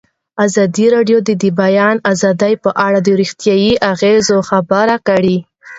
ازادي راډیو د د بیان آزادي په اړه د روغتیایي اغېزو خبره کړې.